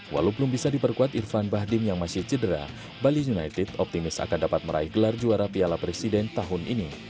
walau belum bisa diperkuat irfan bahdim yang masih cedera bali united optimis akan dapat meraih gelar juara piala presiden tahun ini